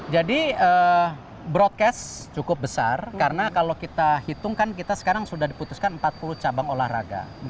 jadi broadcast cukup besar karena kalau kita hitungkan kita sekarang sudah diputuskan empat puluh cabang olahraga